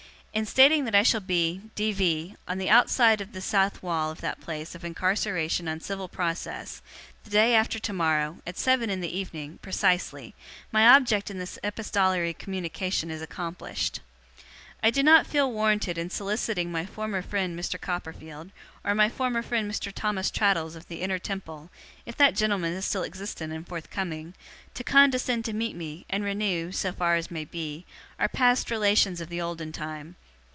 In stating that I shall be (D. V.) on the outside of the south wall of that place of incarceration on civil process, the day after tomorrow, at seven in the evening, precisely, my object in this epistolary communication is accomplished. 'I do not feel warranted in soliciting my former friend Mr. Copperfield, or my former friend Mr. Thomas Traddles of the Inner Temple, if that gentleman is still existent and forthcoming, to condescend to meet me, and renew (so far as may be) our past relations of the olden time.